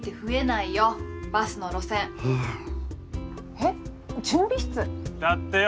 えっ準備室？だってよ